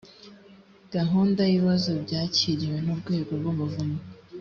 gahunda y’ibibazo byakiriwe n’urwego rw’umuvunyi